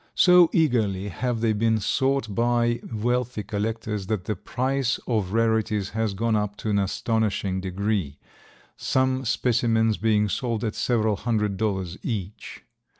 So eagerly have they been sought by wealthy collectors that the price of rarities has gone up to an astonishing degree, some specimens being sold at several hundred dollars each.